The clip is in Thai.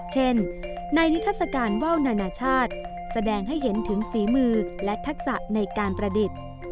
เช่นในนิทัศกาลว่าวนานาชาติแสดงให้เห็นถึงฝีมือและทักษะในการประดิษฐ์